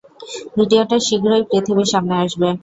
ভিডিওটা শীঘ্রই পৃথিবীর সামনে আসবে।